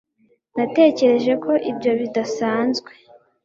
natekereje ko ibyo bidasanzwe